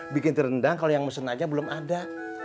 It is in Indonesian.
bikin terendam kalau yang mesen aja belum ada